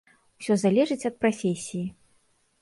Усё залежыць ад прафесіі.